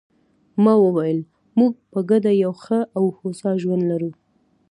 ما وویل: موږ په ګډه یو ښه او هوسا ژوند لرو.